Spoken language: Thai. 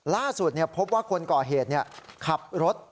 ล่าสุดพบว่าคนก่อเหตุขับรถ